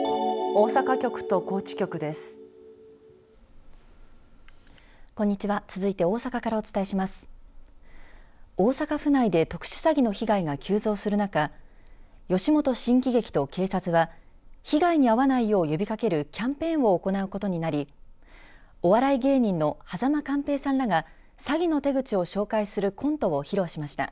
大阪府内で特殊詐欺の被害が急増する中吉本新喜劇と警察は被害に遭わないよう呼びかけるキャンペーンを行うことになりお笑い芸人の間寛平さんらが詐欺の手口を紹介するコントを披露しました。